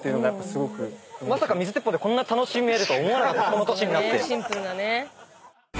この年になって。